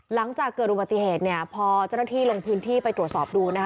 หลังจากเกิดอุบัติเหตุเนี่ยพอเจ้าหน้าที่ลงพื้นที่ไปตรวจสอบดูนะคะ